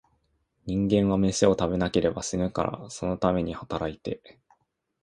人間は、めしを食べなければ死ぬから、そのために働いて、